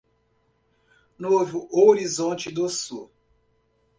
Novo Horizonte do Sul